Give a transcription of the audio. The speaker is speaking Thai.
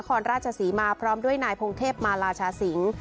รราชศรีมาพร้อมด้วยนายพงเทพมาราชาสิงศ์